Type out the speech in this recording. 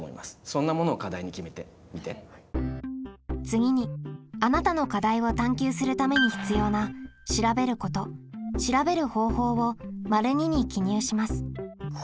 次にあなたの課題を探究するために必要な「調べること」「調べる方法」を②に記入します。